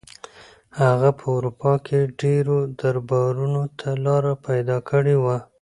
هغه په اروپا کې ډېرو دربارونو ته لاره پیدا کړې وه.